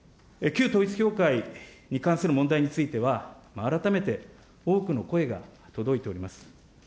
旧統一教会に関する問題については、改めて多くの声が届いております。